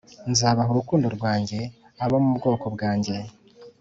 Nzabaha urukundo rwanjye abo mu bwoko bwanjye